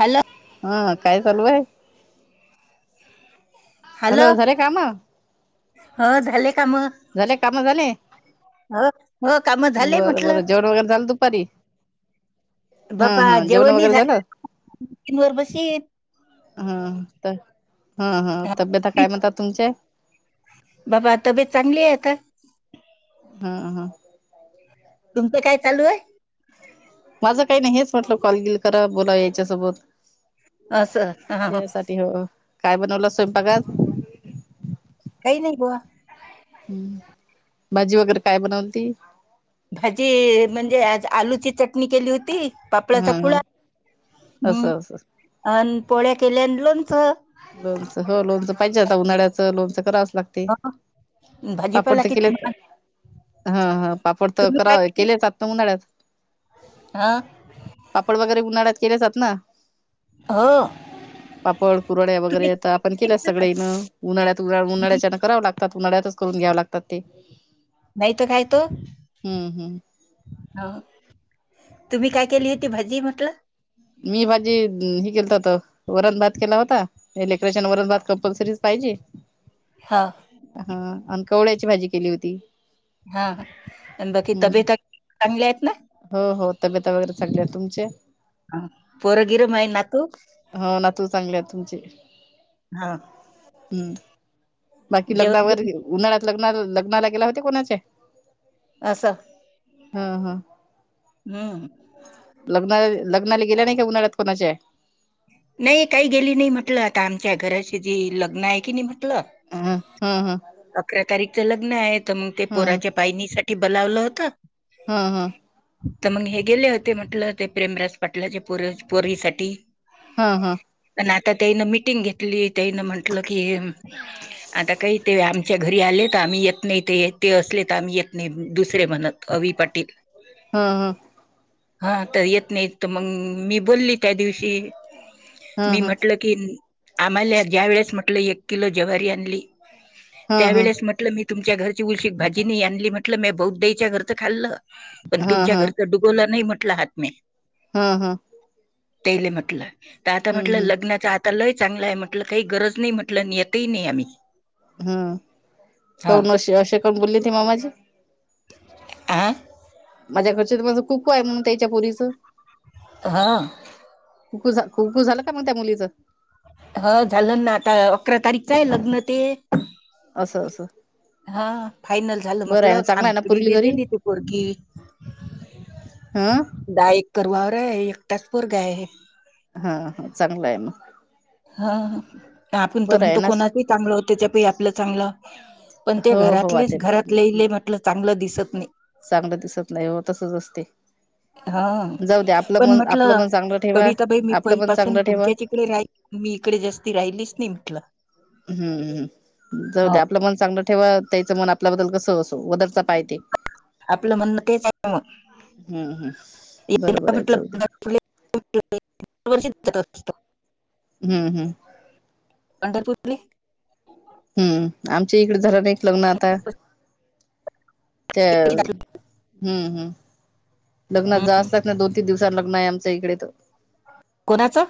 Hello हा काय चालू आय हॅलो झाले काम ह झाले काम झाले काम झाले हो हो काम झाले बरं म्हटलं बरं जेवण वगैरे झालं दुपारी हा बापा हा जेवण जेवनी वगैरे झा झालं [inaudible] वर बशी हा तर हा हा तब्यता काय म्हणता तुमचे बाबा तब्येत चांगलीय आता हा हा तुमचं काय चालू अय माझं काय न्हइच वाटलं कॉलगिल करा बोला याच्यासोबत अस हा यासाठी हो काय बनवलं स्वयपाकात काय नई बुवा भाजी वगैरे काय बनवल ती भाजी म्हणजे आज आलूची चटणी केली होती पापळाचा हा हा कुळा हम् असं असं अन पोळ्या केल्यान लोणच लोनच हो लोनच पाहिजे आता उन्हाळ्याचं लोनच करा अस लागते हो, पापड भाजीपाला ते केले किती महाग हा हा पापड तर तुम्ही काय करा केली केलेत आता उन्हाळ्यात हा पापड वगैरे उन्हाळ्यात केलेच आत ना हो पापड कुरड्या तुम्ही वगैरे आता आपण केल्या सगळेण उन्हाळ्यात उन्हाळ उन्हाळ्याच्यांन कराव लागतात उन्हाळ्यातच करून घ्याव लागतात ते नाहीत काय त हम्म हम्म तुम्ही काय केली होती भाजी म्हटलं मी भाजी हे केलत होत वरण भात केला होता इलेक्ट्रेशिन वरण भात कंपल्सरी पाहि पायजी हा हा अन कवळ्याची भाजी केली होती हा आणि बाकी हम्म तब्यता चांगली हाईत ना तब्येतता वगैरे चांगलेय तुमचे हा पोरं गिरं माये नातू हो ना तू चांगले आ तुमचे हा हम्म बाकी जेवण लग्नावर बिवण उन्हाळ्यात लग्ना लग्नाला गेला होते कोणाच्या असं ह ह हम्म लग्ना लग्नाले गेल्या नही का उन्हाळ्यात कुणाच्या नई काय गेली न्हई म्हटलं आता आमच्या घराची जी लग्न हाय कीनी म्हण टल ह ह अकरा तारिकच लग्न हाय तर मग ते ह ह पोराच्या पाय नीसट बलावलं होतं हा हम तर मग हे गेले होते म्हटलं ते प्रेमरास पाटलाचे पोर पोरी साठी हा हा आता त्यानं मिटिंग घेतली त्यानं म्हंटलं की आता काही ते आमच्या घरी आलेत आम्ही येत नाही ते एकटे असले तर आम्ही येत नाही दुस शे मनतात अभि पाटीली हा हा हा तर येत नाही तर मग मी बोलली त्या दिवशी हा मी हा म्हटल की आम्हाला ज्या वेळेस म्हटलं एक किलो जव्हारी आणली हा त्या हा वेळेस म्हटलं मी तुमच्या घरची उलशी भाजी नाही आणली म्हट म्हटलं म बौ देच्या घरचं खाल्लं पण हा तुमच्या घरचडुबवलं नाही म्हटलं हात म हम हम ते म्हटलं तर आता म्हटलं लग्नाच आ त्यालाही चांगलं आहे म्हटल काही गरज नाही म्हटलं येतही नाही आम्ही हम हा कोण अ असे कोण बोलली ती मामाजी आं माझ्याकडच माझं कुकू आहे म्हणून त्याच्या पुरीच हा खुकूझ ह झालं ना आता अकरा तारीखच आहे लग्न ते असं असं हा फायनल झालं बरं आहे म्हटलं ना चांगलं आहे ना पुरील खामपडीने घरी दिली ती पोरकीी हा दहा एकर वावर आहे एकटाच पोरग हा हा चांगला आहे मग हा आपण तर बरं आहे म्हणतो ना कोणा चांगलं हो त्याच्या पै आपलं चांगलं पण ते हो हो आ घरातलेच ते घरात लहिले म्हटलं चांगलं दिसत नाही चांगलं दिसत नाही हो तसच असते हा जाऊ दे आपलं पण मन आपलं म्हटलं पण चांगलं ठेवा कविताबाई मी आपलं पण पैलपासून चांगलं ठेवा तुमच्याच इिकडे राहा मी इकडे जास्ती राहिलीच नाही म्हटलं हम्मम् जाऊदे हो आपलं मन चांगलं ठेवा त्याच मन आप बदल कसं असो बदलता पाय तेे आपलं म्हणणं तेच आहे मग हम्म हम् बरोबर आहे जाऊ दे भटलंर् [unintelligible] हम्म हम्म पंढरपूरली हम्म आमच्या इकडे झालं नाही एक लग्न आता तर हम्म हम्म लग्न जास्तच ना दोन तीन दिवसां लग्न आहे आमच इकडे तर कोणाचं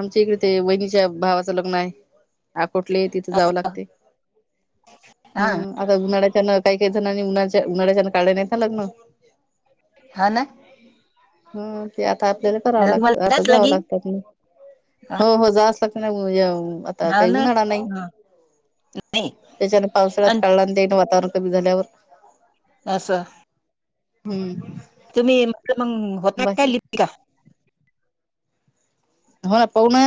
आमच्या इकडे ते बहिणीच्या भावाचं लग्न आहे ठले तिथ असं जाव लागते ह हा आता उन्हाळ्याच्या न काही काही उन्हाळ्याच्या उन्हाळ्याच्या काढले नाहीत ना लग्न हा ना हा ते आता आपल्याला करावं लागत तुम्हाला आता जाच जावं लागेल लागतात म हो हो जास्त लागत नाही आता हा काही ना उऊन राणार नाही त्याच्यान पावसाळ्यात अन काढला दे वातावरण कमी झाल्यावर असच स हम्म तुम्ही म्ह मग होता काय बाकी लिपिका हो ना पाह ना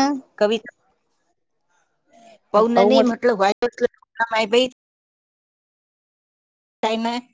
पौन नाही म्हटलं व्हायरसलं कामाय बाई. काही नाही.